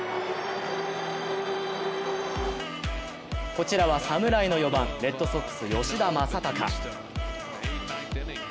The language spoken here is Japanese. こちらは侍の４番レッドソックス、吉田正尚。